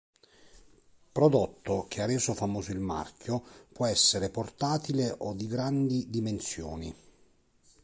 Prodotto che ha reso famoso il marchio può essere portatile o di grandi dimensioni.